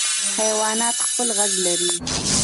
حیوانات خپل غږ لري.